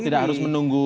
tidak harus menunggu